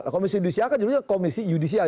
komisi yudisial kan judulnya komisi yudisial